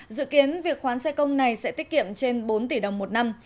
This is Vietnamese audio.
dự kiến việc khoán xe công này sẽ tiết kiệm trên bốn tỷ đồng một năm